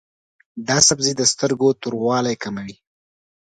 دا سبزی د سترګو توروالی کموي.